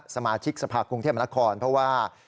สมาชิกสภาคกรุงเทพมนาคมเพราะว่า